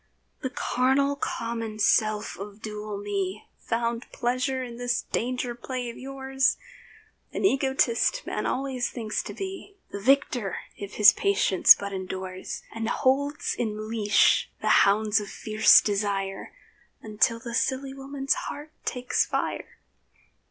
The carnal, common self of dual me Found pleasure in this danger play of yours. (An egotist, man always thinks to be The victor, if his patience but endures, And holds in leash the hounds of fierce desire, Until the silly woman's heart takes fire.)